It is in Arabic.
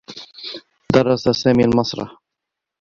درس سامي المسرح.